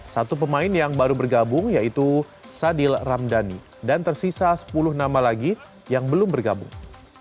satu pemain yang baru bergabung yaitu sadil ramdhani dan tersisa sepuluh nama lagi yang belum bergabung